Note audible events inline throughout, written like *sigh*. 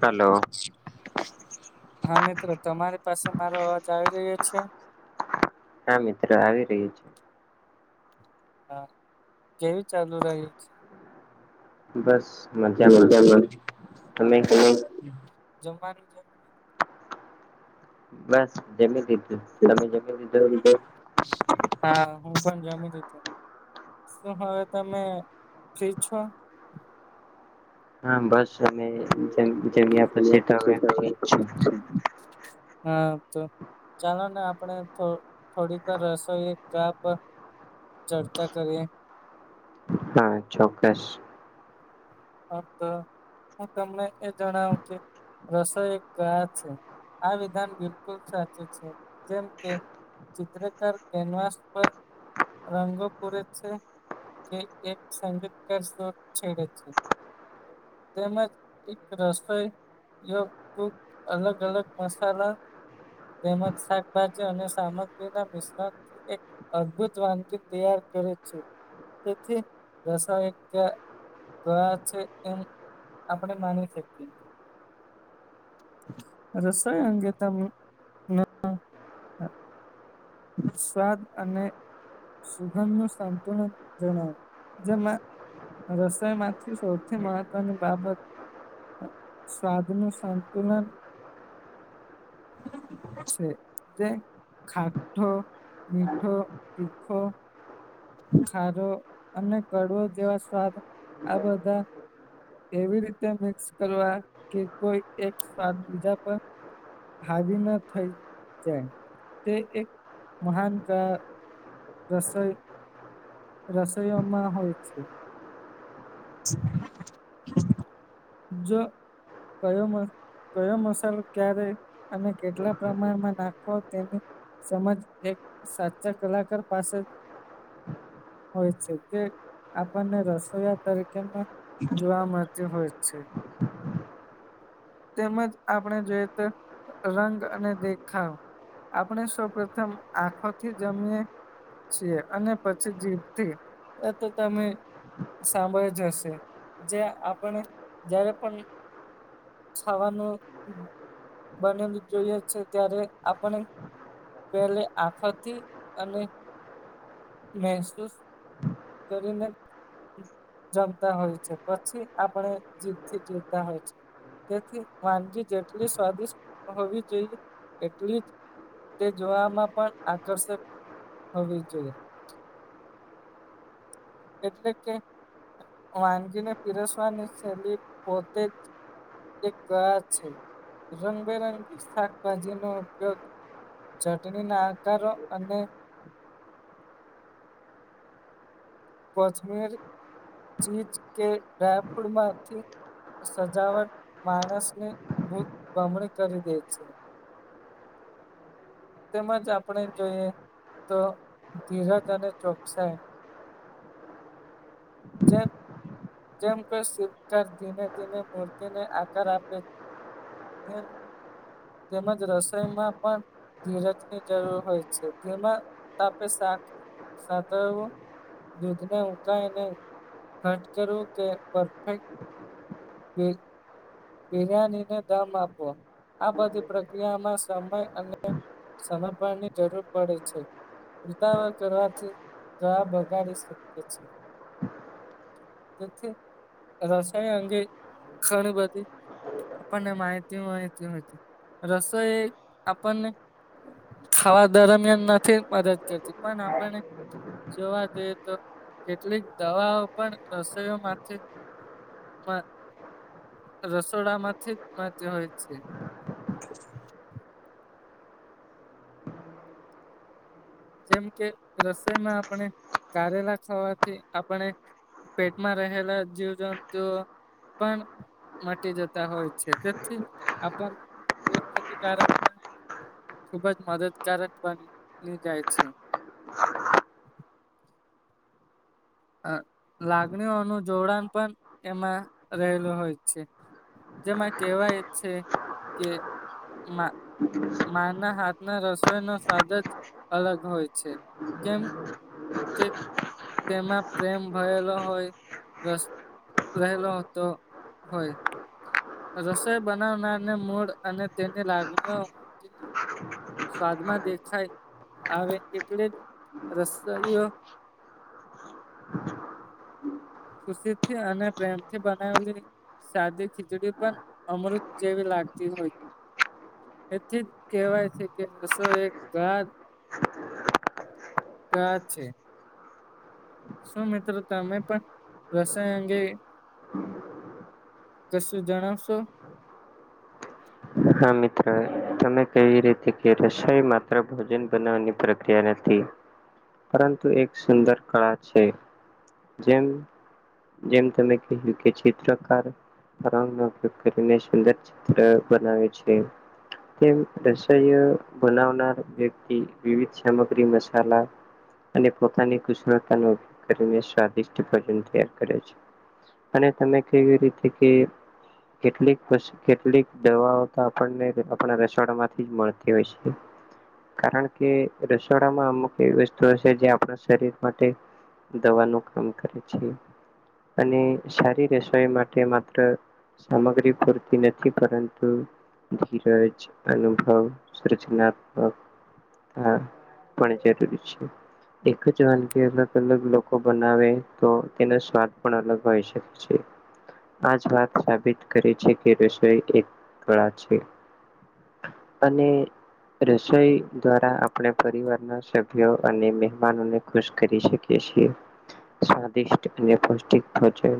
Hello હા મિત્રો તમારી પાસે મારો અવાજ આવી રહ્યો છે હા મિત્રો આવી રહ્યો છે. હા કેવી ચાલુ રહ્યું છે બસ. હ મજામાં તમે જમવાનું બસ જેમી ત હા હું પણ જમી દીધું શું હવે તમે ફ્રી છો હા બસ અમે જમ્યા પછી તો હ ફ્રીજ છ. હા તો ચાલો ને આપણે થોડીક વાર રસોઈ એક કાપ ચર્ચા કરીએ હા ચોક્કસ હા તો હું તમને એ જણાવું કે રસોઈ ગયા છે આ વિધાન બિલકુલ સાચું છે જેમ કે ચિત્રકાર કેનવાસ પર. રંગો પૂરે છે કે એક સંગીતકાર સુર છેડે છે તેમજ એક રસોઈ એવા ખુબ અલગ અલગ મસાલા તેમજ શાકભાજી અને સામગ્રી ના મિશ્રણથી એક અદભુત વાનગી તૈયાર. તેથી રસાયયા છે એ આપણે માની શકીએ રસોઈ અંગે તમે *unintelligible* સ્વાદ અને સુગમ નું સાંતુન જણાવ જેમાં રસોઈ માંથી સૌથી મહત્વની બાબત. સાધનો સંતુલન છે તે ખા મીઠ મીઠ તીખ ખારો અને કડવો જેવા સ્વાદ આ બધા એવી રીતે મિક્સ કરવા કે કોઈ એક સ્વાદ બીજા પર હાવી ન થઈ જાય તે એક મહાન જેશો રસોઈયોમાં હોય છે જો કયોમાં કયો મસાલો ક્યારે અને કેટલા પ્રમાણમાં નાખો તેને સમજ એક સાચા કલાકાર પાસે હોય છે જે આપણને રસોયા તરીકેમાં જોવા મળતી હોય છે તેમજ આપણે જોઈએ તો રંગ અને દેખાવ આપણે સૌ પ્રથમ આંખોથી જમીએ છે અને પછી જીભથી એ તો તમે સાંભળ જ હશે જે આપણે જ્યારે પણ ખાવાનું બનેલું જોઈએ છે ત્યારે આપણે પેલે આખોથી અને મહેસૂસ કરીને જમતા હોય છે પછી આપણે જીભથી જીમતા હોય છે. તેથી વાનગી જેટલી સ્વાદિષ્ટ હોવી જોઈએ એટલી જ તે જોવામાં પણ આકર્ષક હોવી જોઈએ એટલે કે વાનગીને પીરસવાની શૈલી પોતેજ એક આ છે રંગબેરંગી શાકભાજી નો ઉપયોગ ચટણીના આકારો અને કોશમીર ચીજ કે ડ્રાયફૂડ માંથી સજાવટ માણસની ભૂખ ગમણી કરી દે છે. તેમજ આપણે જોઈએ તો ધીરજ અને ચોકસાઈ જ જેમ કે શિવકાર ધીમે ધીમે મૂર્તિને આકાર આપે. તેમ તેમજ રસોઈમાં પણ ધીરજની જરૂર હોય છે ધીમા તાપે શાક સાધળવું દૂધને ઉકાય એને ઘટ કરવું કે પરફેક્ટ એ બિરિયાનીને દમ આપો આ બધી પ્રક્રિયામાં સમય અને સનભાની જરૂર પડે છે ઉતાવળ કરવાથી ત્રા બગાડી શકે છે. એથી રસાયણ અંગે ખણી બધી આપણને માહિતી માહિતી હોય છે રસોઈ આપણને ખાવા દરમિયાન નથી મદદ કરતી પણ આપને જોવા જઈએ તો કેટલીક દવાઓ પણ રસોઈયોમાંથી મન રસોડા માંથી જ માધ્ય હોય છે જેમ કે રસોઈમાં આપણે કારેલા ખાવાથી આપણે પેટમાં રહેલા જીવજંતુ પણ મટી જતા હોય છે તેથી આપણ એ કતિકારક ખુબ જ મદદકારક બની જાય છે અ લાગણીઓનું જોડાણ પણ એમાં રહેલું હોય છે જેમાં કેહેવાય એજ છે કે માં માંના હાથ ના રસોઈ નો સ્વાદ જ અલગ હોય છે કેમ કે તેમાં પ્રેમ ભયલો હોય રસ રહેલો હતો હોય રસોઈ બનાવનારને મૂળ અને તેની લાગણીઓ સ્વાદમાં દેખાય આવે એટલે જ રસોઈયો *unintelligible* ખુશી થી અને પ્રેમથી બનાવેલી સાદી ખીચડી પણ અમૃત જેવી લાગતી હોય એથી જ કહેવાય છે કે રસો એક ગા કા છે શું મિત્રો તમે પણ રસોઈ અંગે કશું જણાવશો હા મિત્રો તમે કેવી રીતે કે રસોઈ માત્ર ભોજન બનાવવાની પ્રક્રિયા નથી પરંતુ એક સુંદર કળા છે જેમ જેમ તમે કહ્યું કે ચિત્રકાર ંગ ન ઉપયોગ કરીને સુંદર ચિત્ર બનાવે છે તેમ રસ બનાવનાર વ્યક્તિ વિવિધ સામગ્રી મસાલા અને પોતાની કુશળતાનો ઉપયોગ કરીને સ્વાદિષ્ટ ભોજન તૈયાર કરે છે અને તમે કેવી રીતે કે કેટલીક વુ કેટલીક દવાઓ તો આપણને આપણા રસોમાંથી જ મળતી હોય છે કારણ કે રસોડામાં અમુક એવી વસ્તુ હ છે જે આપણા શરીર માટે દવાનું કામ કરે છે અને સારી રસોઈ માટે માત્ર સામગ્રી પૂરતી નથી પરંતુ ધીરજ અનુભવ સૃજનાત્મક હા પણ જરૂરી છે એક જ વાનગી અલગ અલગ લોકો બનાવે તો તેનો સ્વાદ પણ અલગ હોય શકે છે આ જ વાત સાબિત કરીે છે કે રસોઈ એક કળા છે અને રસોઈ દ્વારા આપણે પરિવાર ના સભ્યો અને મહેમાનોને ખુશ કરી શકીએ સ્દિષ્ટ અને પૌષ્ટિક ભજન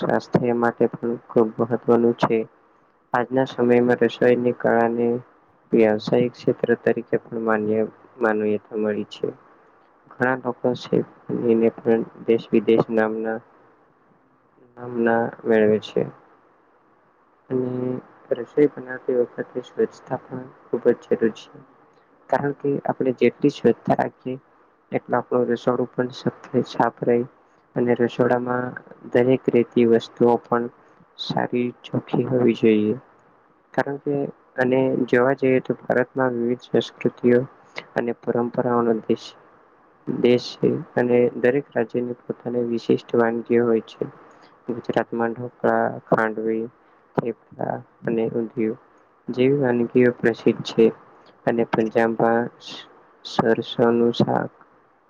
સ્વાસ્થ્ય માટે પણ ખૂબ મહત્વનું છે આજના સમયમાં રસોઈ ની કળાની વ્યવસાયિક ક્ષેત્ર તરીકે પણ માન્ય માનવીતા મળી છે ઘણા લોકો છે દેશ વિદેશ નામના નામ ના મેળવે છે અને રસોઈ બનાતી વખતે સ્વચ્છતા પણ ખુબ જ જરૂરી છે કારણ કે આપણે જેટલી શ્રદ્ધા રાખીએ એટલે આપણું રસોડું પણ સ્વચ્છ ને સાફ રહી અને રસોડામાં દરેક રીતે વસ્તુઓ પણ સારી ચોખ્ખી હોવી જોઈએ કારણ કે અને જોવા જઈએ તો ભારતમાં વિવિધ સંસ્કૃતિઓ અને પરંપરાઓનો દેશ દેશ છે અને દરેક રાજ્યની પોતાની વિશિષ્ટ વાનગી હોય છે તમાં ઢોકળ ખાંડવી અને ઉધીયુ જેવી વાનગીઓ પ્રસિદ્ધ છે અને પંજાબમાં સરસો નું શાક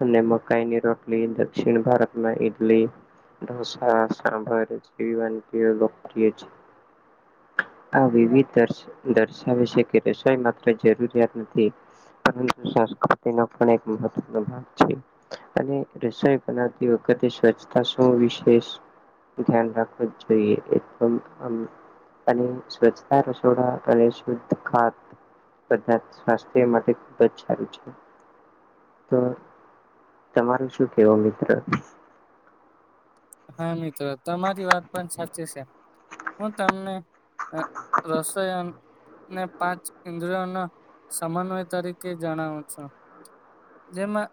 અને મકાઈની રોટલી દક્ષિણ ભારતમાં ઈડલી ઢોંસા સાભર જે વાનગીઓ છે આ વિવિધ દર્શાવે છે કે રસોઈ માત્ર જરૂરિયાત નથી પરુ સંસ્કૃતિ ન પણ એક મહત્વનો ભાગ છે અને સ્વચ્છતા શું વિશેષ ધ્યાન રાખવું જ જોઈએ એ તો અને સ્વચ્છતા રસોડા અને શુદ્ધ ખાત બધા સ્વાસ્થ્ય માટે ખૂબ જ સારું છે તો તમારું શું કેવું મિત્ર હા મિત્રો તમારી વાત પણ સાચી છે હું તમને હ રસાયન ને પાંચ ઇન્દ્રિયોના સમન્વય તરીકે જણાવો છો જેમાં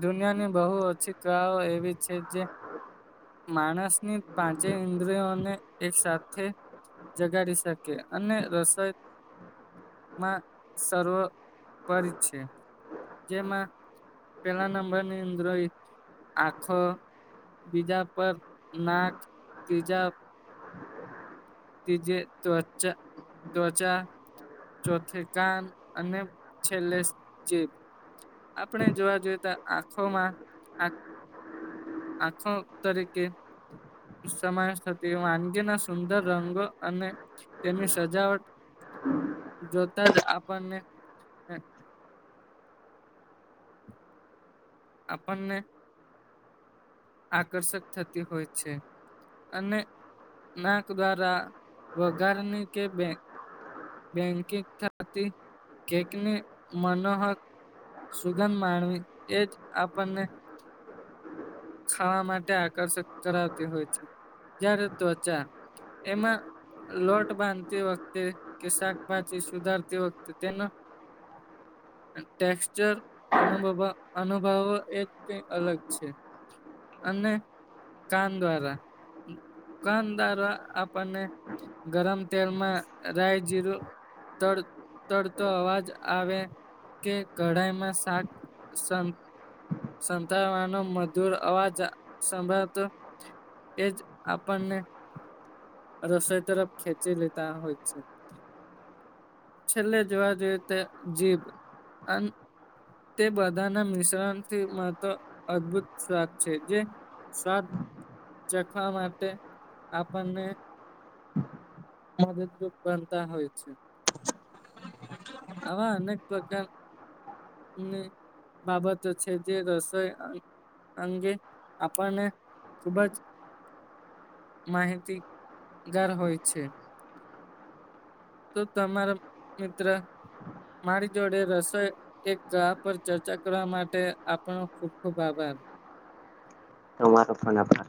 દુનિયાની બહુ ઓછી કલાઓ એવી છે જે માણસની પાંચે ઇન્દ્રિયોને એક સાથે જગાડી શકે અને રસોઈ માં સર્વપર છે જેમાં પેલા નંબરની અંદરી આખો બીજા પર નાક ત્રીજા તજ ત્વચા ત્વચા ચોથે કાન અને છેલ્લે ચીબ આપણે જોવા જોઈએ તો આંખોમાં આખો તરીકે સમાવેશ થતી વાનગીના સુંદર રંગો અને તેની સજાવટ જોતા જ આપણને આપણને આકર્ષક થતી હોય છે અને નાક દ્વારા વઘારની કે મેહેક બેંકિંગ થતી કેકને મનોહક સુગંધ માનવી એ જ આપણને ખાવા માટે આકર્ષક કરાવતી હોય છે જ્યારે ત્વચા એમાં લોટ બાંધતી વખતે કે શાકભાજી સુધારતી વખતે તેનો ટેક્ચર અ અનુભવો એ કઈ અલગ છે અને કાન દ્વારા દુકાનદારો આપણને ગરમ તેલમાં રાયજીરું તડ તડતો અવાજ આવે કે કઢાઈમાં શાક સં સંતાવાનો મધુર અવાજ સંભળતો એજ આપણને રસોઈ તરફ ખેંચી લેતા હોય છે. છેલ્લે જોવા જોઈએ તે જીભ આન તે બધાના મિશ્રણથી મળતો અદભુત સ્વાદ છે જે સ્વાદ ચખવા માટે આપણને *unintelligible* તું બનતા હોય છે. આવા ની બાબતો છે જે રસોઈ આ અંગે આપણને ખુબજ માહિતીગાર હોય છે. તો તમારા મિત્ર મારી જોડે રસોઈ એક ગહ પર ચર્ચા કરવા માટે આપનો ખુબ ખુબ આભાર. *inaudible* તમારો પણ આભાર.